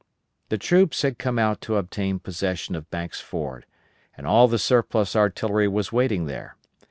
The troops had come out to obtain possession of Banks' Ford, and all the surplus artillery was waiting there.